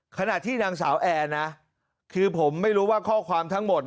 ขณะที่นางสาวแอร์นะคือผมไม่รู้ว่าข้อความทั้งหมด